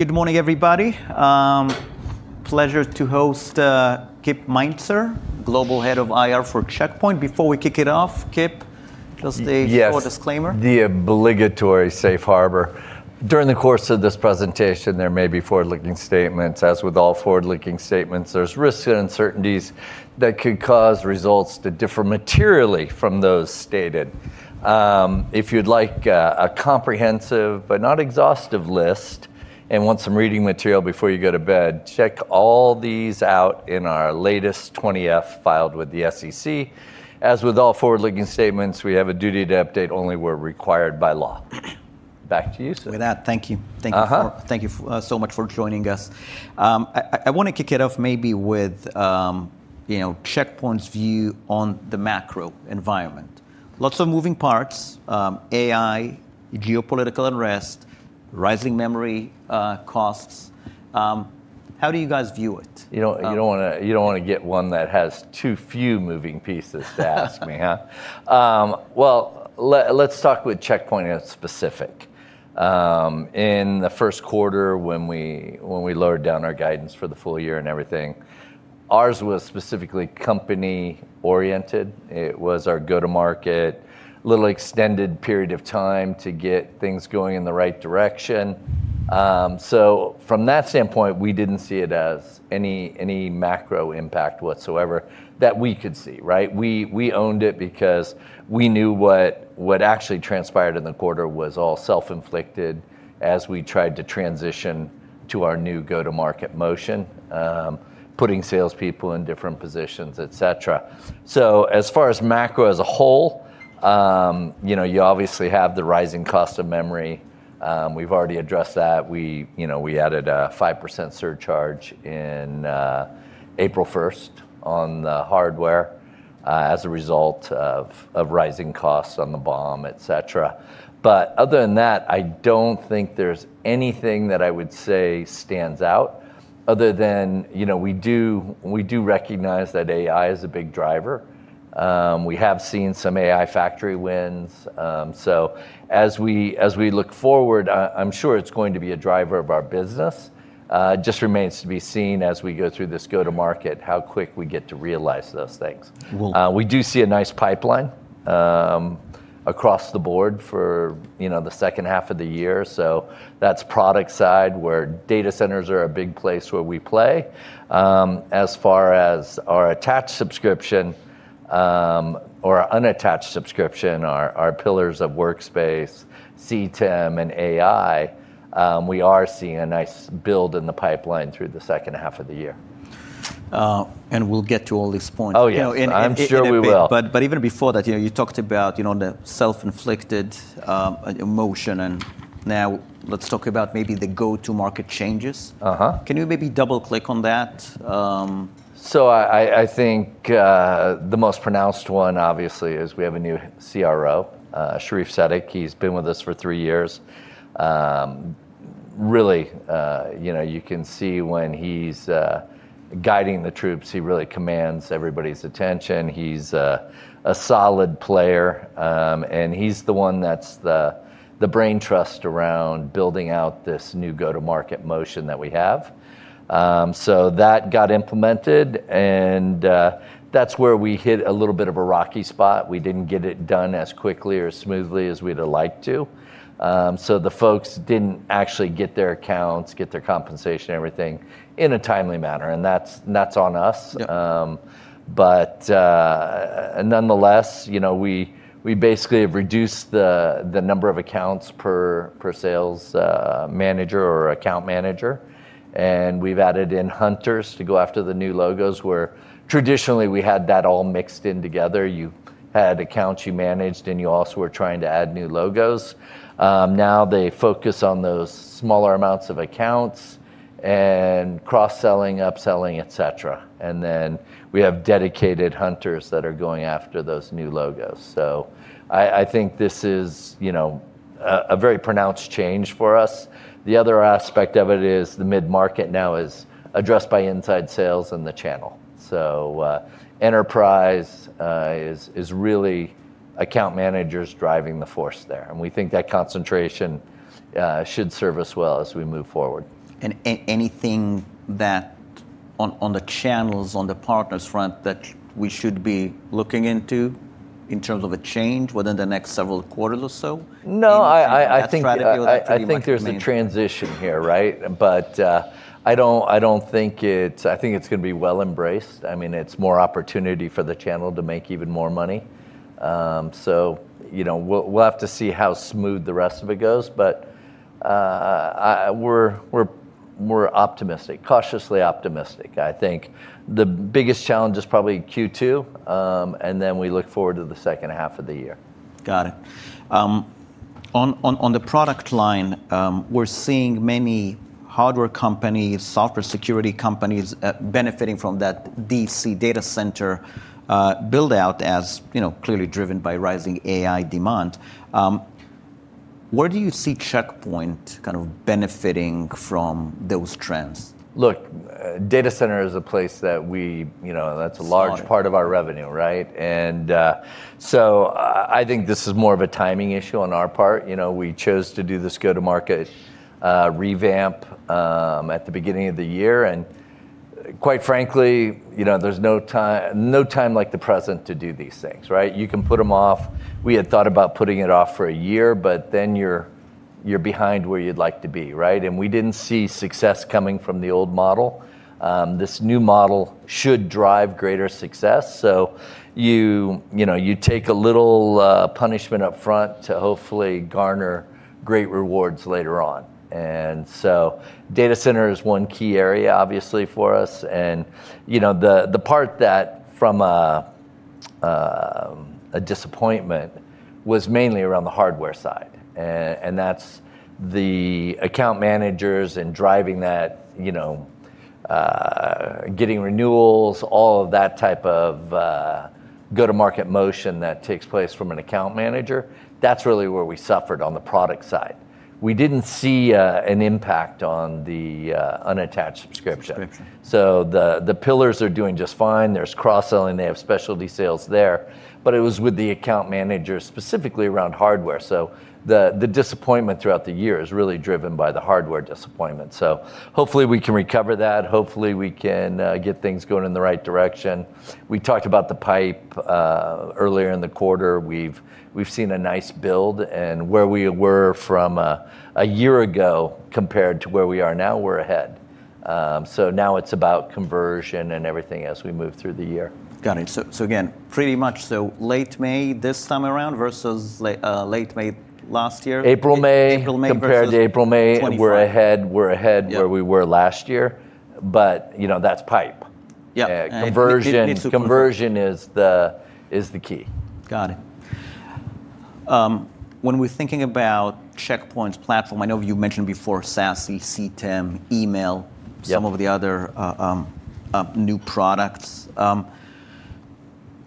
Good morning, everybody. Pleasure to host Kip Meintzer, Global Head of IR for Check Point. Before we kick it off, Kip. Yes. Full disclaimer. The obligatory Safe Harbor. During the course of this presentation, there may be forward-looking statements. With all forward-looking statements, there's risks and uncertainties that could cause results to differ materially from those stated. If you'd like a comprehensive, but not exhaustive, list and want some reading material before you go to bed, check all these out in our latest 20-F filed with the SEC. With all forward-looking statements, we have a duty to update only where required by law. Back to you, Shaul. With that, thank you. Thank you so much for joining us. I want to kick it off maybe with Check Point's view on the macro environment. Lots of moving parts, AI, geopolitical unrest, rising memory costs. How do you guys view it? You don't want to get one that has too few moving pieces to ask me, huh? Well, let's talk with Check Point as specific. In the first quarter, when we lowered down our guidance for the full year and everything, ours was specifically company oriented. It was our go-to-market, little extended period of time to get things going in the right direction. From that standpoint, we didn't see it as any macro impact whatsoever that we could see, right? We owned it because we knew what actually transpired in the quarter was all self-inflicted as we tried to transition to our new go-to-market motion, putting salespeople in different positions, et cetera. As far as macro as a whole, you obviously have the rising cost of memory. We've already addressed that. We added a 5% surcharge in April 1st on the hardware as a result of rising costs on the BOM, et cetera. Other than that, I don't think there's anything that I would say stands out other than we do recognize that AI is a big driver. We have seen some AI factory wins. As we look forward, I'm sure it's going to be a driver of our business. It just remains to be seen as we go through this go to market, how quick we get to realize those things. We do see a nice pipeline across the board for the second half of the year. That's product side, where data centers are a big place where we play. As far as our attached subscription, or unattached subscription, our pillars of Workspace, CTEM, and AI, we are seeing a nice build in the pipeline through the second half of the year. We'll get to all these points. Oh, yes. I'm sure we will. Even before that, you talked about the self-inflicted emotion, and now let's talk about maybe the go-to-market changes. Can you maybe double-click on that? I think the most pronounced one, obviously, is we have a new CRO, Sherif Seddik. He's been with us for three years. Really, you can see when he's guiding the troops, he really commands everybody's attention. He's a solid player. He's the one that's the brain trust around building out this new go-to-market motion that we have. That got implemented, and that's where we hit a little bit of a rocky spot. We didn't get it done as quickly or as smoothly as we'd have liked to. The folks didn't actually get their accounts, get their compensation, everything in a timely manner, and that's on us. Yeah. Nonetheless, we basically have reduced the number of accounts per sales manager or account manager. We've added in hunters to go after the new logos, where traditionally we had that all mixed in together. You had accounts you managed, and you also were trying to add new logos. Now they focus on those smaller amounts of accounts and cross-selling, upselling, et cetera. We have dedicated hunters that are going after those new logos. I think this is a very pronounced change for us. The other aspect of it is the mid-market now is addressed by inside sales and the channel. Enterprise is really account managers driving the force there, and we think that concentration should serve us well as we move forward. Anything that on the channels, on the partners front, that we should be looking into in terms of a change within the next several quarters or so? No. Any new strategy or anything you might be? I think there's a transition here, right? I think it's going to be well embraced. It's more opportunity for the channel to make even more money. We'll have to see how smooth the rest of it goes, but we're optimistic, cautiously optimistic. I think the biggest challenge is probably in Q2, we look forward to the second half of the year. Got it. On the product line, we're seeing many hardware companies, software security companies, benefiting from that data center build-out as clearly driven by rising AI demand. Where do you see Check Point kind of benefiting from those trends? Data center is a place that's a large part of our revenue. I think this is more of a timing issue on our part. We chose to do this go-to-market revamp at the beginning of the year. Quite frankly, there's no time like the present to do these things. You can put them off. We had thought about putting it off for a year, but then you're behind where you'd like to be. We didn't see success coming from the old model. This new model should drive greater success. You take a little punishment up front to hopefully garner great rewards later on. Data center is one key area, obviously, for us. The part that from a disappointment was mainly around the hardware side, and that's the account managers and driving that, getting renewals, all of that type of go-to-market motion that takes place from an account manager. That's really where we suffered on the product side. We didn't see an impact on the unattached subscription. Subscription. The pillars are doing just fine. There's cross-selling. They have specialty sales there. It was with the account managers, specifically around hardware. The disappointment throughout the year is really driven by the hardware disappointment. Hopefully we can recover that. Hopefully, we can get things going in the right direction. We talked about the pipe earlier in the quarter. We've seen a nice build, and where we were from a year ago compared to where we are now, we're ahead. Now it's about conversion and everything as we move through the year. Got it. Again, pretty much, late May this time around versus late May last year. April, May. April, May versus 2025. Compared to April, May, we're ahead where we were last year. That's pipe. Yeah. Conversion is the key. Got it. When we're thinking about Check Point's platform, I know you mentioned before SASE, CTEM. Yeah. Some of the other new products.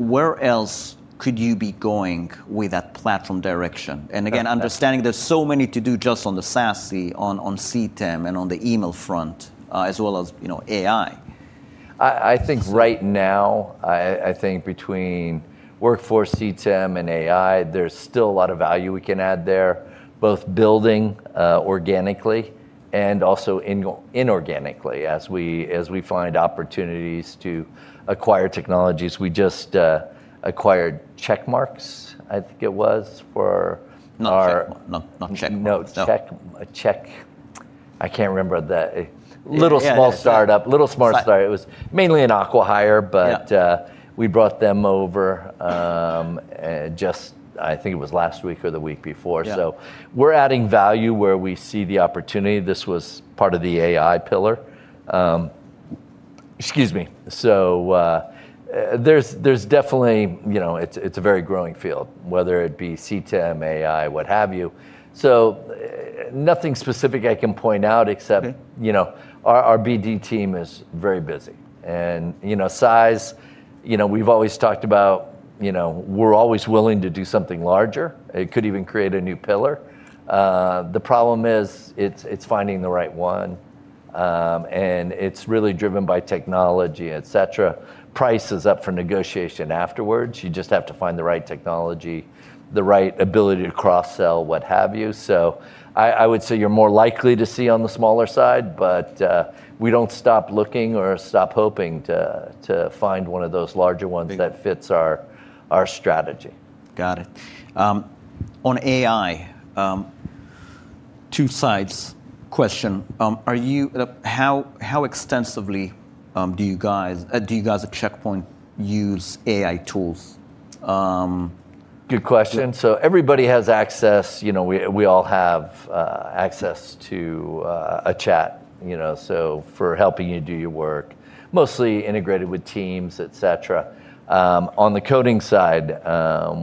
Where else could you be going with that platform direction? Again, understanding there's so many to do just on the SASE, on CTEM, and on the email front, as well as AI. I think right now, I think between Workforce CTEM and AI, there's still a lot of value we can add there, both building organically and also inorganically as we find opportunities to acquire technologies. We just acquired Checkmarx, I think it was, for our. Not Checkmarx. No. No. Check Point I can't remember. The little small startup. Yeah. It was mainly an acqui-hire. Yeah. We brought them over, I think it was last week or the week before. Yeah. We're adding value where we see the opportunity. This was part of the AI pillar. Excuse me. There's definitely, it's a very growing field, whether it be CTEM, AI, what have you. Okay. Our BD team is very busy. Size, we've always talked about we're always willing to do something larger. It could even create a new pillar. The problem is, it's finding the right one. It's really driven by technology, et cetera. Price is up for negotiation afterwards. You just have to find the right technology, the right ability to cross-sell, what have you. I would say you're more likely to see on the smaller side, but we don't stop looking or stop hoping to find one of those larger ones that fits our strategy. Got it. On AI, two sides question. How extensively do you guys at Check Point use AI tools? Good question. Everybody has access. We all have access to a chat, for helping you do your work, mostly integrated with teams, et cetera. On the coding side,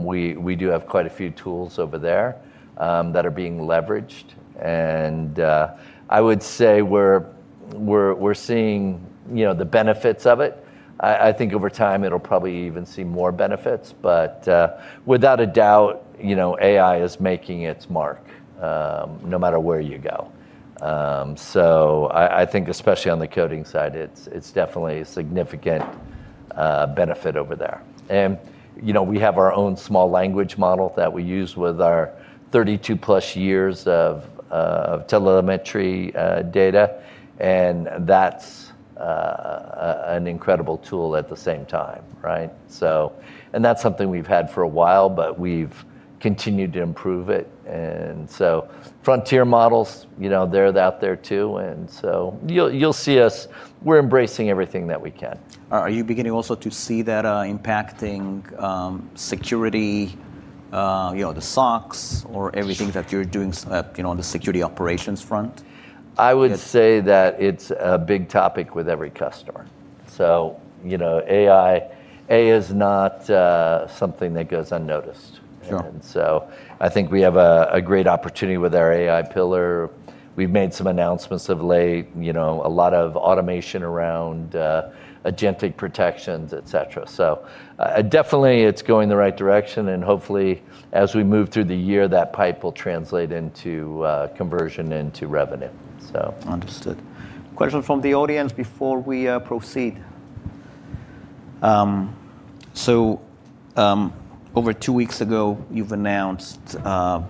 we do have quite a few tools over there that are being leveraged, and I would say we're seeing the benefits of it. I think over time it'll probably even see more benefits. Without a doubt, AI is making its mark no matter where you go. I think especially on the coding side, it's definitely a significant benefit over there. We have our own small language model that we use with our 32+ years of telemetry data, and that's an incredible tool at the same time. That's something we've had for a while, but we've continued to improve it. Frontier models, they're out there, too. You'll see us, we're embracing everything that we can. Are you beginning also to see that impacting security, the SOCs, or everything that you're doing on the security operations front? I would say that it's a big topic with every customer. AI is not something that goes unnoticed. Sure. I think we have a great opportunity with our AI pillar. We've made some announcements of late, a lot of automation around agentic protections, et cetera. Definitely it's going in the right direction, and hopefully as we move through the year, that pipe will translate into conversion into revenue. Understood. Question from the audience before we proceed. Over two weeks ago, you've announced $2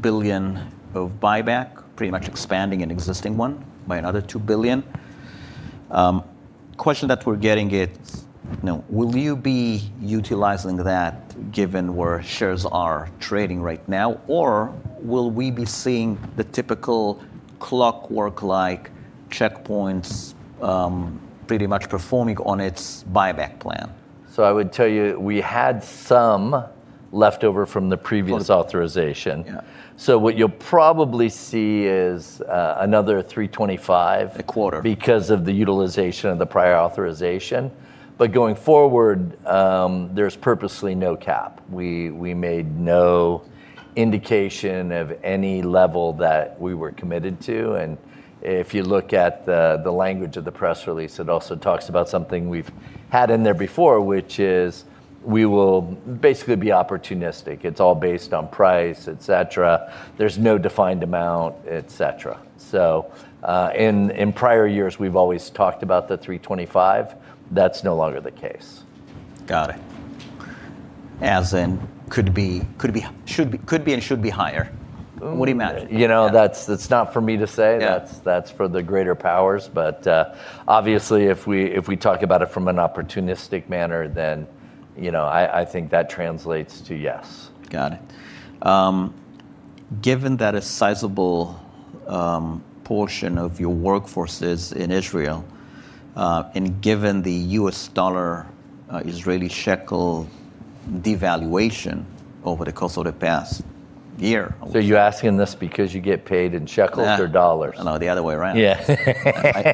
billion of buyback, pretty much expanding an existing one by another $2 billion. Question that we're getting is, will you be utilizing that given where shares are trading right now, or will we be seeing the typical clockwork like Check Point's pretty much performing on its buyback plan? I would tell you, we had some leftover from the previous authorization. Yeah. What you'll probably see is another $325. A quarter. Because of the utilization of the prior authorization. Going forward, there's purposely no cap. We made no indication of any level that we were committed to, and if you look at the language of the press release, it also talks about something we've had in there before, which is we will basically be opportunistic. It's all based on price, et cetera. There's no defined amount, et cetera. In prior years, we've always talked about the $325. That's no longer the case. Got it. As in could be and should be higher. What do you imagine? That's not for me to say. Yeah. That's for the greater powers, but obviously if we talk about it from an opportunistic manner, then I think that translates to yes. Got it. Given that a sizable portion of your workforce is in Israel, and given the U.S. dollar Israeli shekel devaluation over the course of the past year. You're asking this because you get paid in shekels or dollars? No, the other way around. Yeah.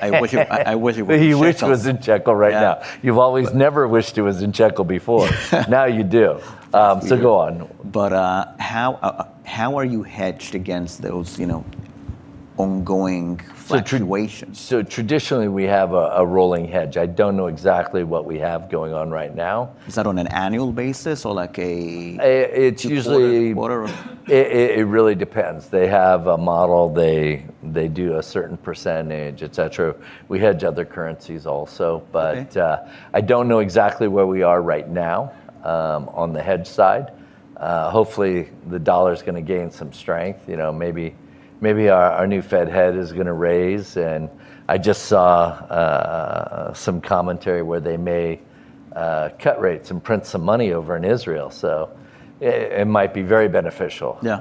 I wish it was in shekels. He wished it was in shekel right now. Yeah. You've never wished it was in shekel before. Now you do. Last year. Go on. How are you hedged against those ongoing fluctuations? Traditionally we have a rolling hedge. I don't know exactly what we have going on right now. Is that on an annual basis? It's usually. Quarter-over-quarter? It really depends. They have a model. They do a certain percentage, et cetera. We hedge other currencies also, but. Okay. I don't know exactly where we are right now on the hedge side. Hopefully, the dollar's going to gain some strength. Maybe our new Fed head is going to raise, and I just saw some commentary where they may cut rates and print some money over in Israel. It might be very beneficial. Yeah.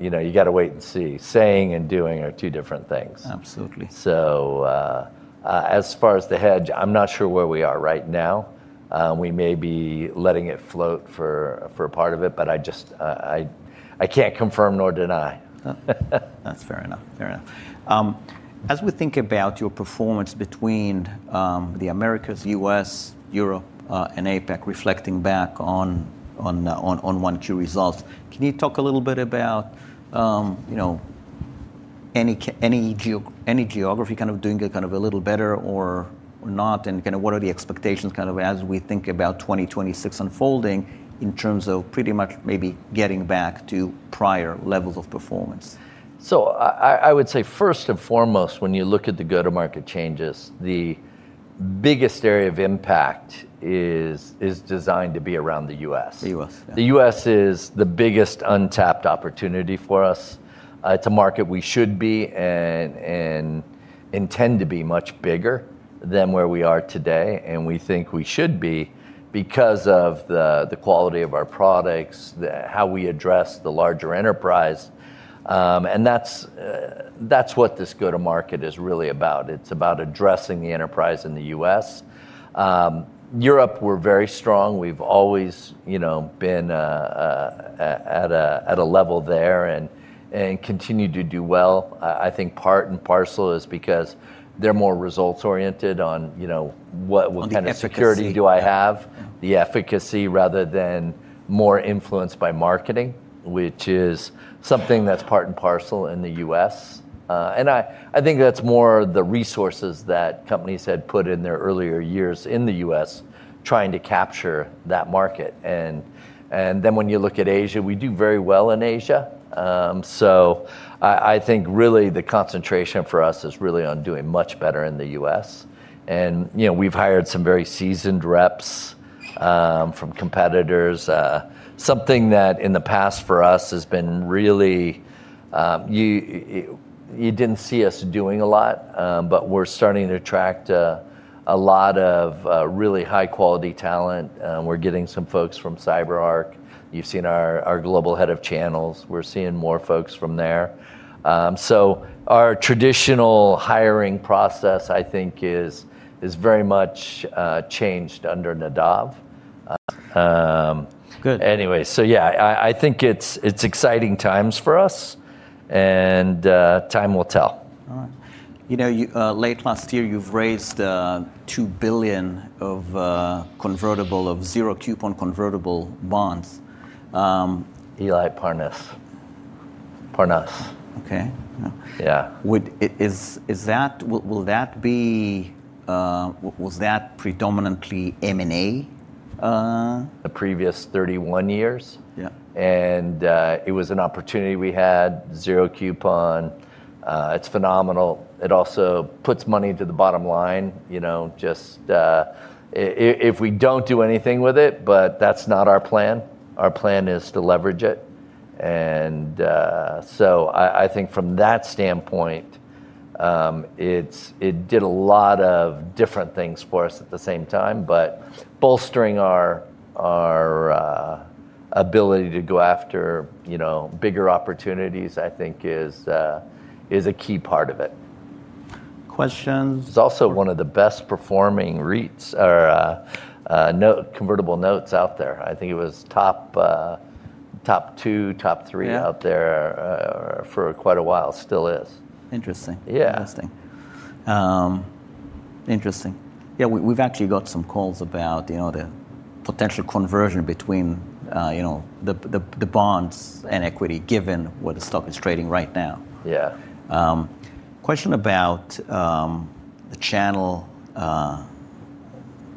You've got to wait and see. Saying and doing are two different things. Absolutely. As far as the hedge, I'm not sure where we are right now. We may be letting it float for a part of it, but I can't confirm nor deny. That's fair enough. As we think about your performance between the Americas, U.S., Europe, and APAC, reflecting back on 1Q results, can you talk a little bit about any geography kind of doing a little better or not, and what are the expectations as we think about 2026 unfolding in terms of pretty much maybe getting back to prior levels of performance? I would say first and foremost, when you look at the go-to-market changes, the biggest area of impact is designed to be around the U.S. The U.S., yeah. The U.S. is the biggest untapped opportunity for us. It's a market we should be and intend to be much bigger than where we are today, and we think we should be because of the quality of our products, how we address the larger enterprise, and that's what this go to market is really about. It's about addressing the enterprise in the U.S. Europe, we're very strong. We've always been at a level there and continue to do well. I think part and parcel is because they're more results oriented on what kind of security do I have, the efficacy rather than more influenced by marketing, which is something that's part and parcel in the U.S. I think that's more the resources that companies had put in their earlier years in the U.S. trying to capture that market. When you look at Asia, we do very well in Asia. I think really the concentration for us is really on doing much better in the U.S., and we've hired some very seasoned reps from competitors. Something that in the past for us has been really, you didn't see us doing a lot, but we're starting to attract a lot of really high quality talent. We're getting some folks from CyberArk. You've seen our Global Head of Channels. We're seeing more folks from there. Our traditional hiring process, I think is very much changed under Nadav. Good. Anyway, yeah, I think it's exciting times for us, and time will tell. All right. Late last year, you've raised $2 billion of zero coupon convertible bonds. Eli Parnass. Parnass. Okay. Yeah. Yeah. Was that predominantly M&A? The previous 31 years. Yeah. It was an opportunity we had, zero coupon. It's phenomenal. It also puts money to the bottom line, just if we don't do anything with it, but that's not our plan. Our plan is to leverage it. I think from that standpoint, it did a lot of different things for us at the same time. Bolstering our ability to go after bigger opportunities, I think is a key part of it. Questions. It's also one of the best performing REITs or convertible notes out there. I think it was top two, top three. Yeah. out there for quite a while. Still is. Interesting. Yeah. Interesting. Interesting. Yeah, we've actually got some calls about the potential conversion between the bonds and equity, given where the stock is trading right now. Yeah. Question about the channel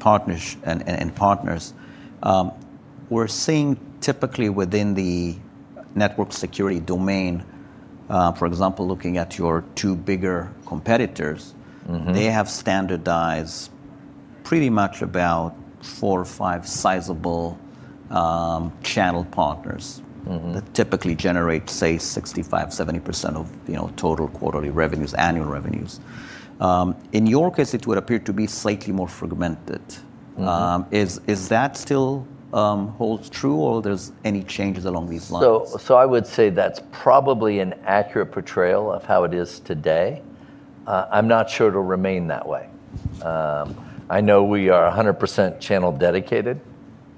and partners. We're seeing typically within the network security domain, for example, looking at your two bigger competitors, they have standardized pretty much about four or five sizable channel partners that typically generate, say, 65%, 70% of total quarterly revenues, annual revenues. In your case, it would appear to be slightly more fragmented. Is that still holds true, or there's any changes along these lines? I would say that's probably an accurate portrayal of how it is today. I'm not sure it'll remain that way. I know we are 100% channel dedicated.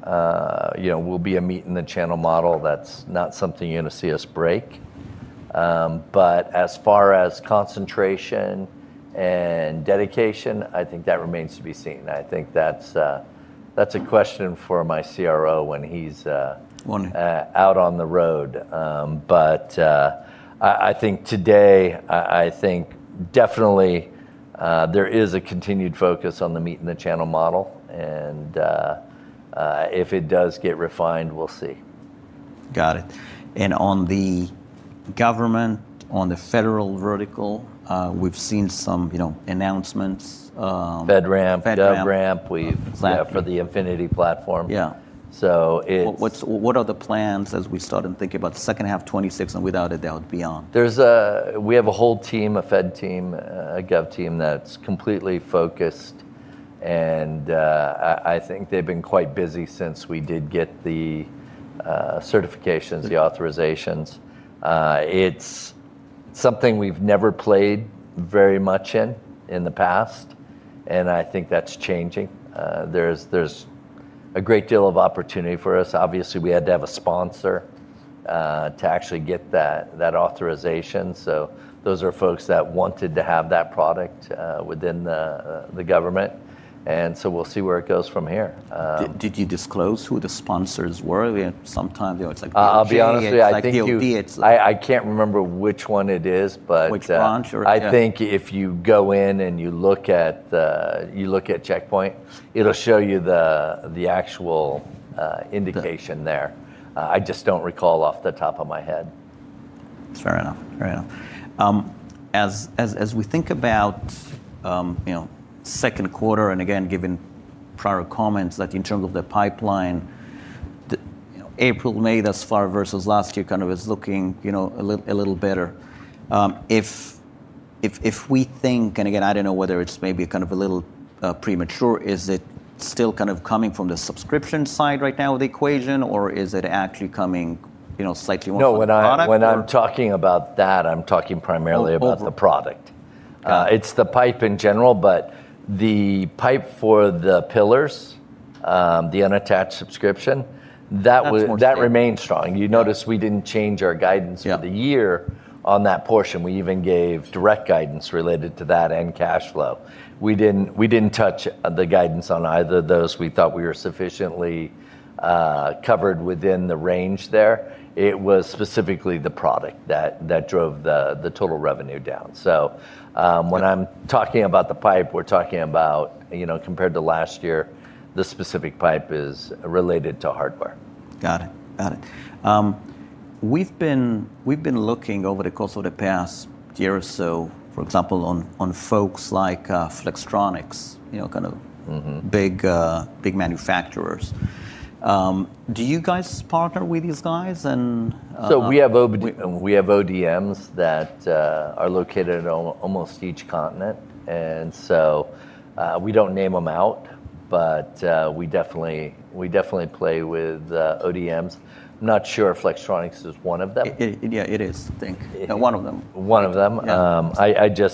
We'll be a meet in the channel model. That's not something you're going to see us break. As far as concentration and dedication, I think that remains to be seen. Wonderful. I think that's a question for my CRO when he's out on the road. I think today, I think definitely, there is a continued focus on the meet in the channel model, and if it does get refined, we'll see. Got it. On the government, on the federal vertical, we've seen some announcements. FedRAMP. FedRAMP. SLAP. Yeah, for the Infinity Platform. Yeah. What are the plans as we start and think about the second half 2026, and without a doubt, beyond? We have a whole team, a fed team, a gov team that's completely focused, and I think they've been quite busy since we did get the certifications, the authorizations. It's something we've never played very much in the past, and I think that's changing. There's a great deal of opportunity for us. Obviously, we had to have a sponsor to actually get that authorization. Those are folks that wanted to have that product within the government. We'll see where it goes from here. Did you disclose who the sponsors were? Sometimes, it's like DOD. I'll be honest with you. It's like DLA. I can't remember which one it is. Which branch, or yeah. I think if you go in and you look at Check Point, it'll show you the actual indication there. I just don't recall off the top of my head. That's fair enough. As we think about second quarter, given prior comments that in terms of the pipeline, April, May thus far versus last year, kind of is looking a little better. If we think, again, I don't know whether it's maybe a little premature, is it still coming from the subscription side right now of the equation, or is it actually coming slightly more from the product? No, when I'm talking about that, I'm talking primarily about the product. Got it. It's the pipe in general, but the pipe for the pillars, the unattached subscription. That's more stable. That remains strong. You notice we didn't change our guidance for the year on that portion. We even gave direct guidance related to that and cash flow. We didn't touch the guidance on either of those. We thought we were sufficiently covered within the range there. It was specifically the product that drove the total revenue down. When I'm talking about the pipe, we're talking about, compared to last year, the specific pipe is related to hardware. Got it. We've been looking over the course of the past year or so, for example, on folks like Flextronics. Big manufacturers. Do you guys partner with these guys? We have ODMs that are located in almost each continent. We don't name them out, but we definitely play with ODMs. Not sure if Flextronics is one of them. Yeah, it is. I think. One of them. One of them. Yeah.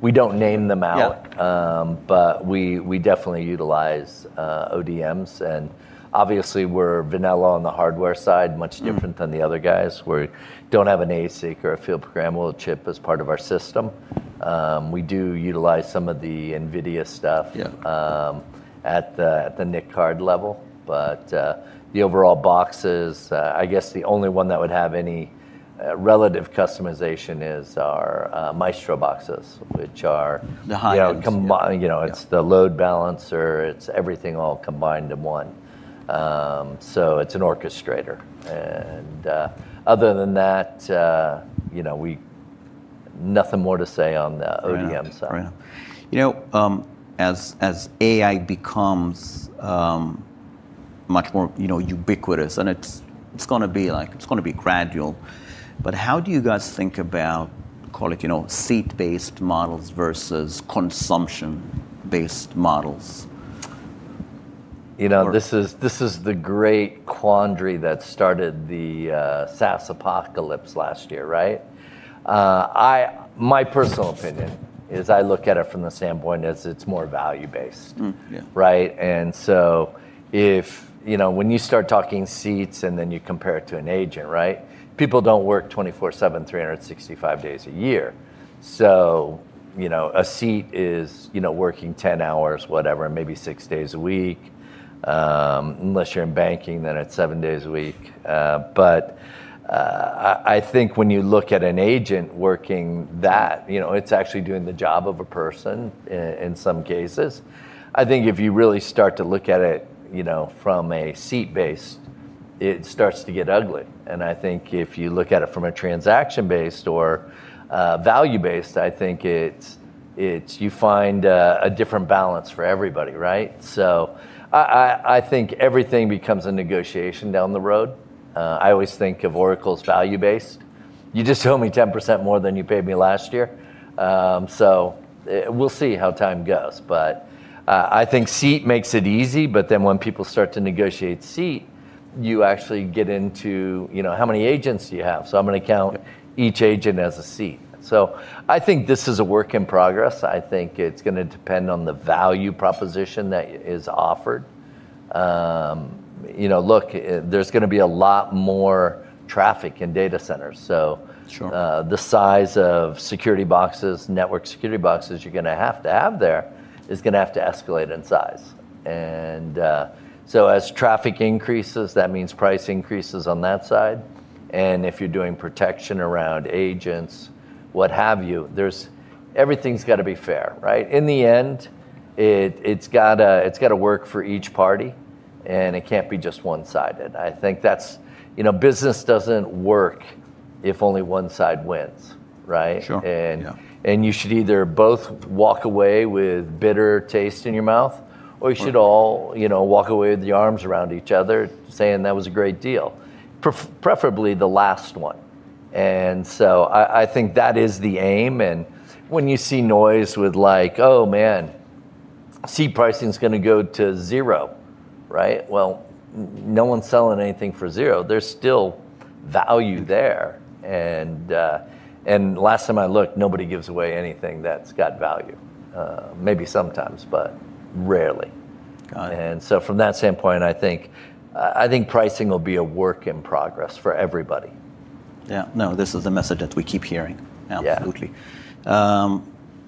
We don't name them out. Yeah. We definitely utilize ODMs, and obviously we're vanilla on the hardware side, much different than the other guys, where we don't have an ASIC or a field programmable chip as part of our system. We do utilize some of the NVIDIA stuff. Yeah. At the NIC card level. The overall boxes, I guess the only one that would have any relative customization is our Maestro boxes, which are. The high-ends. It's the load balancer, it's everything all combined in one. It's an orchestrator. Other than that, nothing more to say on the ODM side. Yeah. As AI becomes much more ubiquitous and it's going to be gradual, but how do you guys think about, call it, seat-based models versus consumption-based models? This is the great quandary that started the SaaS apocalypse last year, right? My personal opinion is I look at it from the standpoint as it's more value-based. Yeah. Right? When you start talking seats and then you compare it to an agent, right? People don't work 24/7, 365 days a year. A seat is working 10 hours, whatever, maybe six days a week. Unless you're in banking, then it's seven days a week. I think when you look at an agent working that, it's actually doing the job of a person in some cases. I think if you really start to look at it from a seat base, it starts to get ugly. I think if you look at it from a transaction based or value based, I think you find a different balance for everybody, right? I think everything becomes a negotiation down the road. I always think of Oracle's value based. You just owe me 10% more than you paid me last year. We'll see how time goes, but I think seat makes it easy, but then when people start to negotiate seat, you actually get into how many agents do you have. I'm going to count each agent as a seat. I think this is a work in progress. I think it's going to depend on the value proposition that is offered. Look, there's going to be a lot more traffic in data centers. Sure. The size of network security boxes you're going to have to have there is going to have to escalate in size. As traffic increases, that means price increases on that side. If you're doing protection around agents, what have you, everything's got to be fair, right? In the end, it's got to work for each party, and it can't be just one-sided. Business doesn't work if only one side wins, right? Sure. Yeah. You should either both walk away with bitter taste in your mouth, or you should all walk away with your arms around each other saying, "That was a great deal." Preferably the last one. I think that is the aim. When you see noise with like, oh, man, seat pricing's going to go to zero, right? Well, no one's selling anything for zero. There's still value there. Last time I looked, nobody gives away anything that's got value. Maybe sometimes, but rarely. Got it. From that standpoint, I think pricing will be a work in progress for everybody. Yeah. No, this is a message that we keep hearing. Yeah. Absolutely.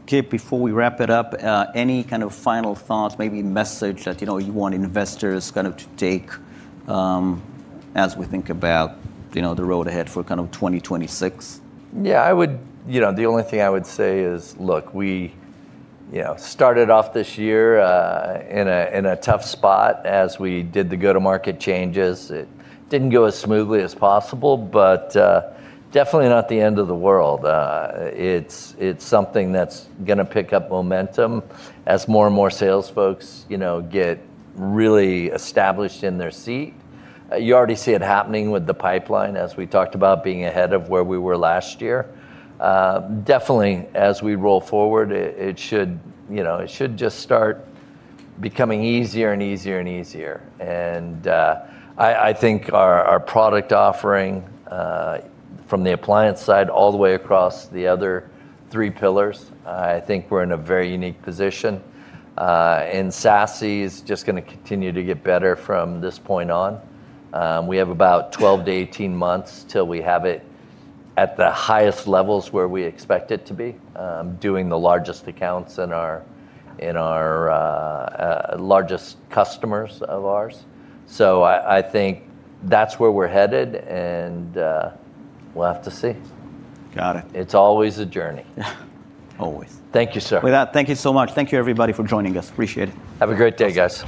Kip, before we wrap it up, any kind of final thoughts, maybe message that you want investors to take as we think about the road ahead for 2026? Yeah. The only thing I would say is, look, we started off this year in a tough spot as we did the go-to-market changes. It didn't go as smoothly as possible, but definitely not the end of the world. It's something that's going to pick up momentum as more and more sales folks get really established in their seat. You already see it happening with the pipeline, as we talked about being ahead of where we were last year. Definitely as we roll forward, it should just start becoming easier and easier and easier. I think our product offering, from the appliance side all the way across the other three pillars, I think we're in a very unique position. SASE is just going to continue to get better from this point on. We have about 12-18 months till we have it at the highest levels where we expect it to be, doing the largest accounts in our largest customers of ours. I think that's where we're headed, and we'll have to see. Got it. It's always a journey. Always. Thank you, Sir. Thank you so much. Thank you everybody for joining us. Appreciate it. Have a great day, guys.